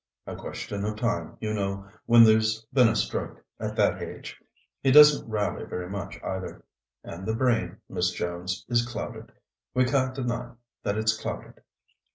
"A question of time, you know, when there's been a stroke at that age. He doesn't rally very much, either. And the brain, Miss Jones, is clouded. We can't deny that it's clouded."